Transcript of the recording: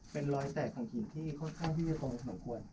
เป็นรอยแตกของหินที่ค่อนข้างที่จะตรงสมควร